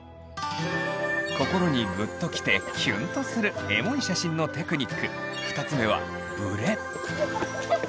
心にグッときてキュンとするエモい写真のテクニック２つ目はブレ。